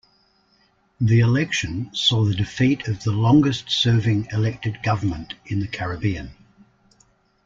The election saw the defeat of the longest-serving elected government in the Caribbean.